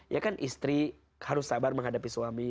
ya kan istri harus sabar menghadapi suami